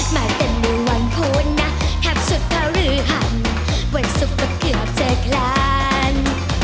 มาเป็นในวันพูดนะแคบสุดพรือหันวันสุขก็เกือบเจอกลาน